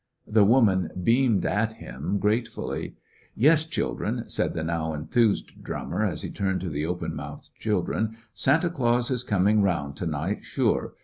The woman beamed at him gratefully. "Yes, children," said the now enthused drummer, as he turned to the open mouthed children, "Santa Claus is coming round to night, sure.